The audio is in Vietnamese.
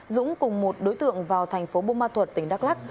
dũng cùng một đối tượng vào thành phố bô ma thuật tỉnh đắk lắc